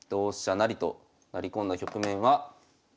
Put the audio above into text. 成と成り込んだ局面は。